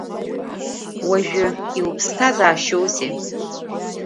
Уажәы иуԥсҭазаашьоузеи?